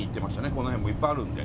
この辺もいっぱいあるんで。